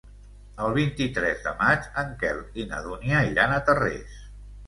El vint-i-tres de maig en Quel i na Dúnia iran a Tarrés.